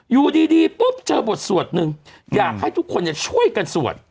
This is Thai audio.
อยู่ดีปุ๊บเจอบทสวดหนึ่งอยากให้ทุกคนช่วยกันสวด